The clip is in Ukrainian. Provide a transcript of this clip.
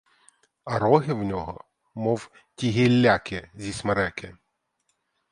А роги в нього, мов ті гілляки зі смереки.